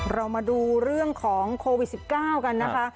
เรามาดูเรื่องของโควิด๑๙กันนะคะ